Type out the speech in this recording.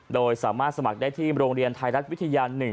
โดยสามารถสมัครได้ที่โรงเรียนไทยรัฐวิทยา๑